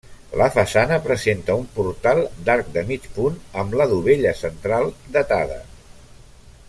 La façana presenta un portal d'arc de mig punt amb la dovella central datada.